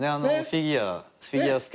フィギュア！？